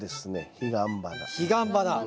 ヒガンバナ！